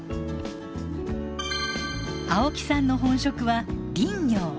青木さんの本職は林業。